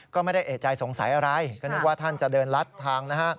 ก็ไม่ได้เอกใจสงสัยอะไรก็นึกว่าท่านจะเดินลัดทางนะฮะ